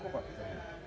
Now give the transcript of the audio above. satu orang cukup pak